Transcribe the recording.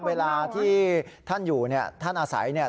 เวลาที่ท่านอยู่เนี่ยท่านอาศัยเนี่ย